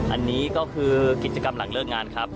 อันนี้ก็คือกิจกรรมหลังเลิกงานครับ